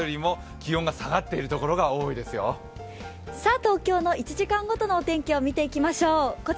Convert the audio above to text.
東京の１時間ごとのお天気をみていきましょう。